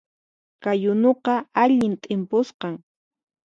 Kay unuqa allin t'impusqan